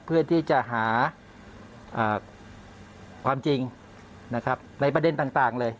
เพื่อที่จะหาความจริงนะครับในประเด็นต่างเลย